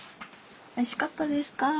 おいしかったですか？